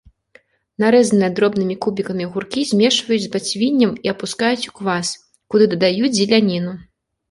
Нарэзаныя дробнымі кубікамі агуркі змешваюць з бацвіннем і апускаюць у квас, куды дадаюць зеляніну.